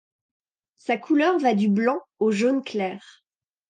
Sa couleur va du blanc au jaune clair.